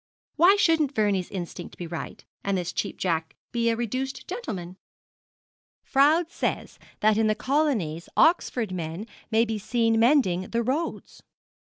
Why shouldn't Vernie's instinct be right, and this Cheap Jack be a reduced gentleman? Froude says that in the colonies Oxford men may be seen mending the roads.